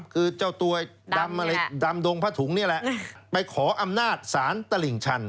คือเจ้าตัวดำดงพะถุงนี่แหละไปขออำนาจสารตลิ่งชัน